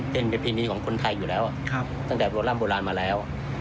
เป็นประเพณีของคนไทยอยู่แล้วตั้งแต่โบร่ำโบราณมาแล้ว